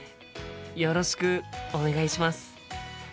よろしくお願いします。